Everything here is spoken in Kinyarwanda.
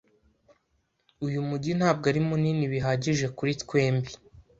Uyu mujyi ntabwo ari munini bihagije kuri twembi.